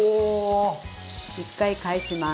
一回返します。